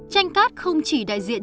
tranh cát không chỉ đại diện